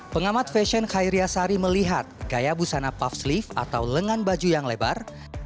pengamat fashion khairiyasari melihat gaya busana puff sleeve atau lengan baju yang lebar